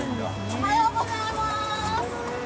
おはようございます！